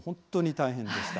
大変でした。